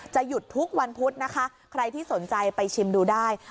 หยุดทุกวันพุธนะคะใครที่สนใจไปชิมดูได้